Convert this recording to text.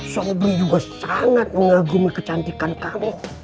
sobi juga sangat mengagumi kecantikan kamu